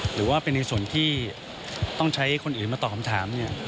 หรือว่าเป็นในส่วนที่ต้องใช้คนอื่นมาตอบคำถามเนี่ย